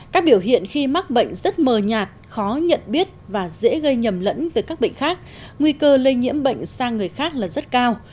các biểu hiện khi mắc bệnh rất mờ nhạt khó nhận biết và dễ gây nhầm lẫn với các bệnh khác nguy cơ lây nhiễm bệnh sang người khác là rất cao